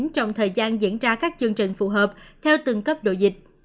trong thời gian diễn ra các chương trình phù hợp theo từng cấp độ dịch